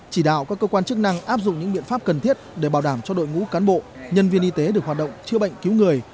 chỉ đạo các cơ quan chức năng áp dụng những biện pháp cần thiết để bảo đảm cho đội ngũ cán bộ nhân viên y tế được hoạt động chữa bệnh cứu người